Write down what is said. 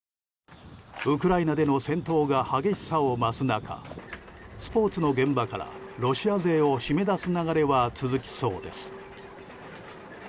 ウクライナでの戦闘が激しさを増す中スポーツの現場からロシア勢を締め出す流れは続きそうです。